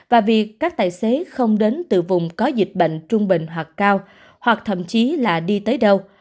và việc các tài xế không đến từ vùng có dịch bệnh trung bình hoặc cao hoặc thậm chí là đi tới đâu